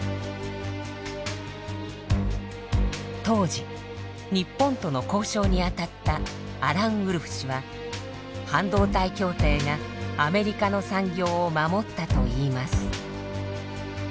当時日本との交渉に当たったアラン・ウルフ氏は半導体協定がアメリカの産業を守ったといいます。